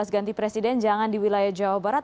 ganti presiden jangan di wilayah jawa barat